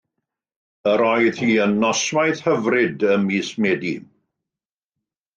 Yr oedd hi yn noswaith hyfryd ym mis Medi.